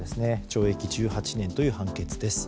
懲役１８年という判決です。